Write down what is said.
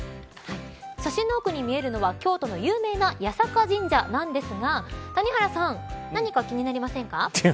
写真の奥に見えるのは京都の有名な八坂神社なんですが谷原さん何か気になりませんか。